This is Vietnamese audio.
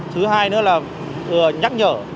thứ hai nữa là nhắc nhở